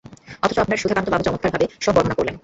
অথচ আপনার সুধাকান্তবাবু চমৎকারভাবে সব বর্ণনা করলেন।